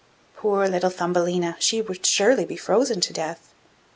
Poor little Thumbelina! she would surely be frozen to death.